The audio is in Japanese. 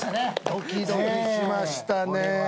ドキドキしましたね。